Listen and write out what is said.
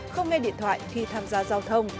không nghe điện thoại khi tham gia giao thông